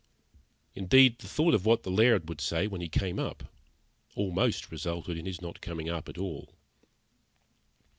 Indeed, the thought of what the Laird would say when he came up, almost resulted in his not coming up at all.